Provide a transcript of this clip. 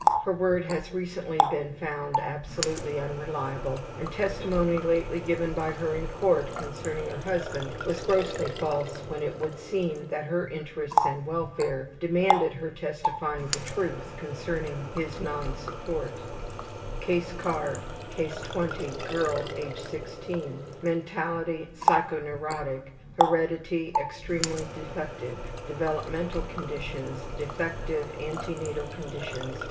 Her word has recently been found absolutely unreliable, and testimony lately given by her in court concerning her husband was grossly false when it would seem that her interests and welfare demanded her testifying the truth concerning his non support.) Mentality: Psychoneurotic. Case 20. Heredity: Extremely defective. Girl, age 16. Developmental conditions: Defective antenatal conditions.